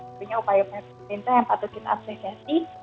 sebenarnya upaya pemerintah yang patut kita asesiasi